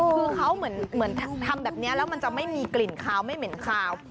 คือเขาเหมือนทำแบบนี้แล้วมันจะไม่มีกลิ่นคาวไม่เหม็นคาว